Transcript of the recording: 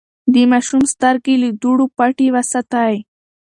د ماشوم سترګې له دوړو پټې وساتئ.